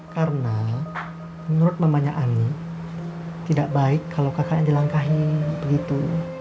karena menurut mamanya ani tidak baik kalau kakaknya dilangkahin begitu